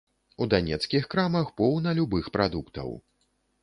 У данецкіх крамах поўна любых прадуктаў.